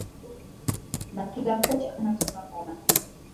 na kila kocha ana mtazamo wa